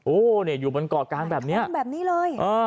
โอ้เนี่ยอยู่บนเกาะกลางแบบเนี้ยแบบนี้เลยอ่า